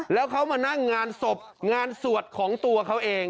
แล้วเขามานั่งงานศพงานสวดของตัวเขาเอง